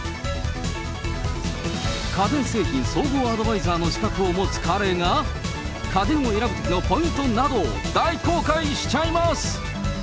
家電製品総合アドバイザーの資格を持つ彼が、家電を選ぶときのポイントなどを大公開しちゃいます。